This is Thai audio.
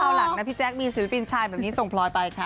คราวหน้าคราวหลังพี่แจ๊คมีศิลปินชายส่งพลอยไปค่ะ